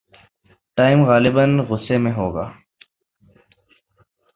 Tom غالباً غصے میں ہوگا۔